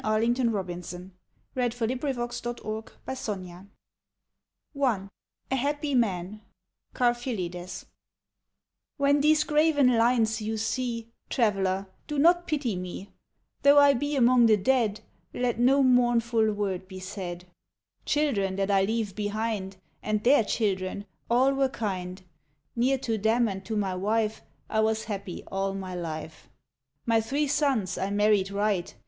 VARIATIONS OF GREEK THEMES A HAPPY MAN (^Carphyllides) When these graven lines you sec, Traveler, do not pity me ; Though I be among the dead. Let no mournful word be said. Children that I leave behind, And their children, all were kind ; Near to them and to my wife, I was happy all my life. My three sons I married right.